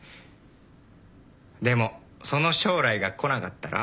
でもその将来が来なかったら？